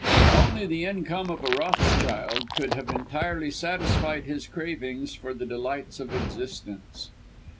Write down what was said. Only the income of a Rothschild could have entirely satisfied his cravings for the delights of existence.